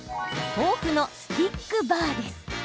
豆腐のスティックバーです。